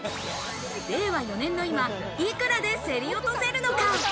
令和４年の今、いくらで競り落とせるのか？